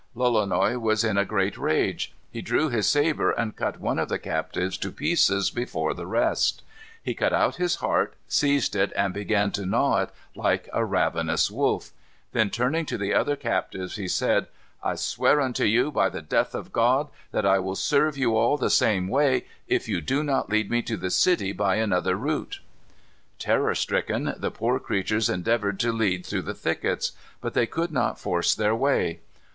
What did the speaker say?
Lolonois was in a great rage. He drew his sabre and cut one of the captives to pieces before the rest. He cut out his heart, seized it, and began to gnaw it, like a ravenous wolf. Then turning to the other captives, he said: "I swear unto you, by the death of God, that I will serve you all the same way if you do not lead me to the city by another route." Terror stricken, the poor creatures endeavored to lead through the thickets. But they could not force their way.